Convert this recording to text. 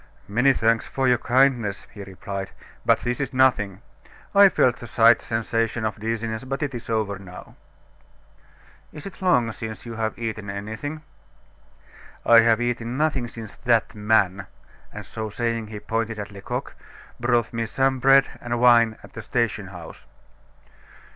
"Many thanks for your kindness," he replied, "but this is nothing. I felt a slight sensation of dizziness, but it is over now." "Is it long since you have eaten anything?" "I have eaten nothing since that man" and so saying he pointed to Lecoq "brought me some bread and wine at the station house."